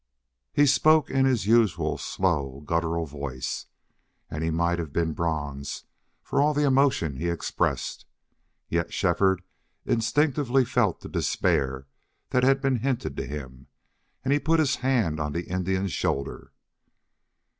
He spoke in his usual slow, guttural voice, and he might have been bronze for all the emotion he expressed; yet Shefford instinctively felt the despair that had been hinted to him, and he put his hand on the Indian's shoulder.